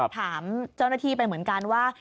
ถามเจ้าหน้าที่ไปเหมือนกันว่า